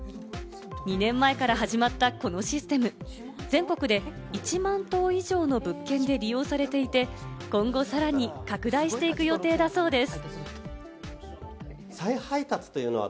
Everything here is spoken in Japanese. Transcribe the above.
２年前から始まったこのシステム、全国で１万棟以上の物件で利用されていて、今後さらに拡大していく予定だそうです。